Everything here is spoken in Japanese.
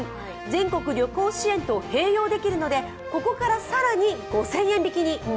全国旅行支援と併用できるのでここから更に５０００円引きに。